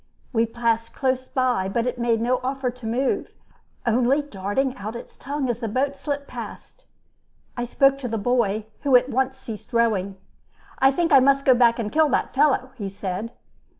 We passed close by it, but it made no offer to move, only darting out its tongue as the boat slipped past. I spoke to the boy, who at once ceased rowing. "I think I must go back and kill that fellow," he said.